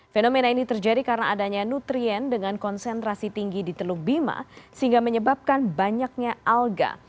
fenomena ini terjadi karena adanya nutrien dengan konsentrasi tinggi di teluk bima sehingga menyebabkan banyaknya alga